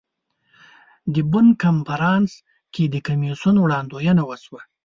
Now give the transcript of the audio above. د بن کنفرانس کې د کمیسیون وړاندوینه وشوه.